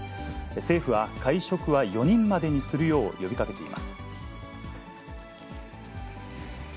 政府は会食は４人までにするよう呼びかけています。